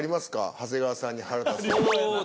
長谷川さんに腹立つ事。